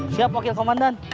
siap wakil komandan